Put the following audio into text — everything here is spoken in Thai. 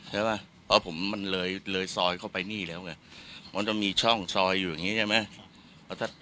เพราะว่าผมมันเลยซอยเข้าไปนี่แล้วมันจะมีช่องซอยอยู่อย่างนี้ใช่ไหม